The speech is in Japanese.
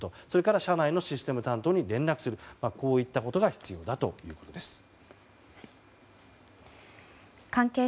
それから社内のシステム担当に連絡するこういったことが必要だということです。